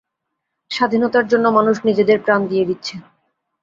স্বাধীনতার জন্য মানুষ নিজেদের প্রাণ দিয়ে দিচ্ছে!